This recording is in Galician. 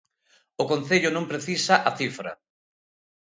O concello non precisa a cifra.